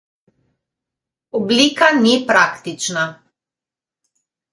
Oblika ni praktična.